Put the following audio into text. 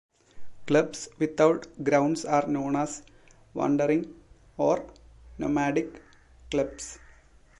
Clubs without grounds are known as "wandering" or "nomadic" clubs.